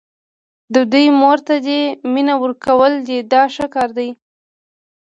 د دوی مور ته دې مینه ورکول دي دا ښه کار دی.